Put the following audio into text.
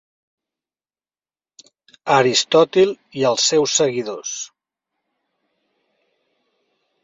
Aristòtil i els seus seguidors.